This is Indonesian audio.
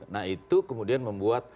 nah itu kemudian membuat